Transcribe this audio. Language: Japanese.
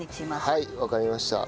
はいわかりました。